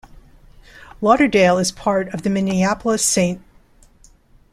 Lauderdale is part of the Minneapolis-St.